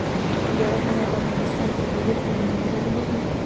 جواهرات د افغانستان په طبیعت کې مهم رول لري.